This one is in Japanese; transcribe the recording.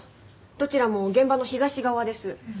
どちらも現場の東側です。